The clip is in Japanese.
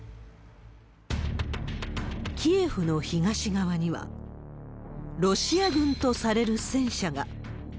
キエフの東側には、ロシア軍とされる戦車が。